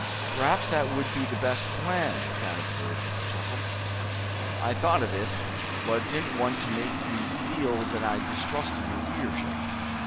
"Perhaps that would be the best plan," Thad observed, with a chuckle. "I thought of it, but didn't want to make you feel that I distrusted your leadership.